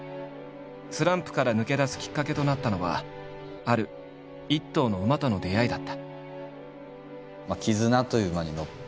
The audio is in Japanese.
スランプから抜け出すきっかけとなったのはある一頭の馬との出会いだった。